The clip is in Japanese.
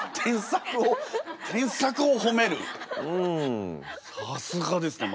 さすがですね